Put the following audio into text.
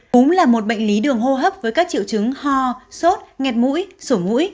cúm là một bệnh lý đường hô hấp với các triệu chứng ho sốt ngẹt mũi sổ mũi